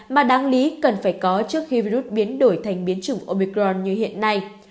mà đáng lý cần phải có trước khi virus biến đổi thành biến chủng omicron như hiện nay